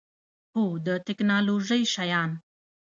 هو، د تکنالوژۍ شیان